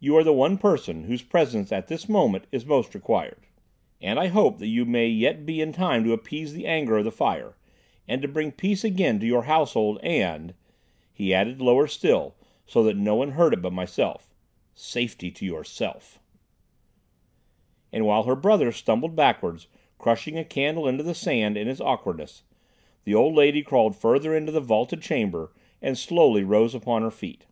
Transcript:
"You are the one person whose presence at this moment is most required. And I hope that you may yet be in time to appease the anger of the Fire, and to bring peace again to your household, and," he added lower still so that no one heard it but myself, "safety to yourself." And while her brother stumbled backwards, crushing a candle into the sand in his awkwardness, the old lady crawled farther into the vaulted chamber and slowly rose upon her feet.